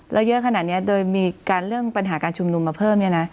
แล้วเยอะขนาดนี้โดยมีการเรื่องปัญหาการชุมนุมมาเพิ่มเนี่ยนะ